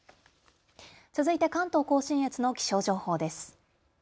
続いて関東甲信越の気象情報です。